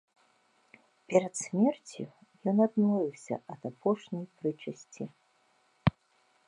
Перад смерцю ён адмовіўся ад апошняй прычасці.